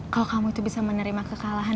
kalau kamu itu bisa menerima kekalahan